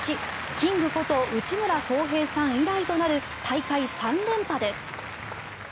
キングこと内村航平さん以来となる大会３連覇です。